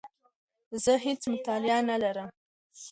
زه هیڅ مطلب نه لرم.